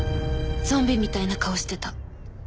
ゾンビみたいな顔してた。